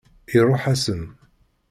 Iṛuḥ-asen.